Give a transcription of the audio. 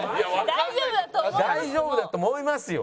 大丈夫だと思いますよ。